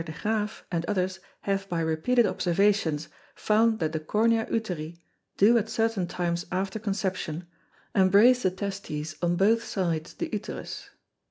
de Graef_, and others, have by repeated Observations found that the Cornua Uteri do at certain times after Conception, embrace the Testes on both sides the Uterus.